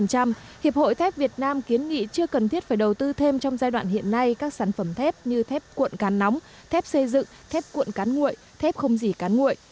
hiệp hội thép việt nam kiến nghị chưa cần thiết phải đầu tư thêm trong giai đoạn hiện nay các sản phẩm thép như thép cuộn cán nóng thép xây dựng thép cuộn cán nguội thép không dì cán nguội